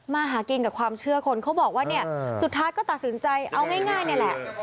มาหากินกับความเชื่อคนเขาบอกว่าเนี่ยสุดท้ายก็ตัดสินใจเอาง่ายนี่แหละ